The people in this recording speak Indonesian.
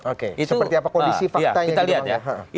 oke seperti apa kondisi faktanya gitu bang edi